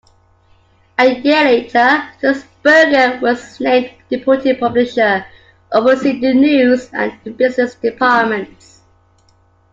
A year later, Sulzberger was named Deputy Publisher, overseeing the news and business departments.